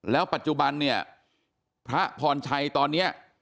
แล้วปัจจุบันเนี่ยพระพรชัยตอนนี้